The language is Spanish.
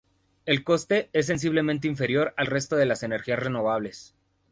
El coste es sensiblemente inferior al resto de las energías renovables.